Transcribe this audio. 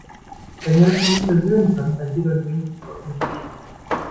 Wenn ihr euch schon nicht versöhnen könnt, dann geht euch wenigstens aus dem Weg!